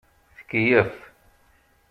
Tkeyyef.